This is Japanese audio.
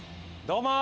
どうも！